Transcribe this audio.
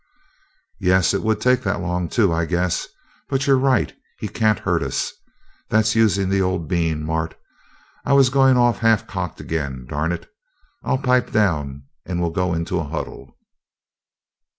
"Yes, it would take that long, too, I guess but you're right, he can't hurt us. That's using the old bean, Mart! I was going off half cocked again, darn it! I'll pipe down, and we'll go into a huddle."